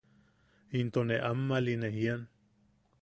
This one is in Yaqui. Into ne ammaʼali ne jian.